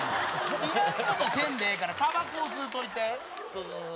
いらんことせんでええからたばこそうそうそう。